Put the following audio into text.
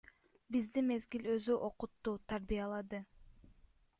Бизди мезгил өзү окутту, тарбиялады.